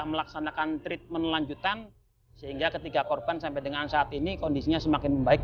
maka mustime mungkin mereka memiliki dan selesai naik